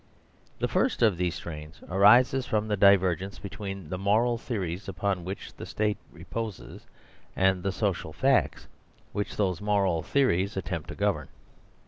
The first of these strains arises from the diver gence between the moral theories upon which the State reposes and the social facts which those moral theories attempt to govern.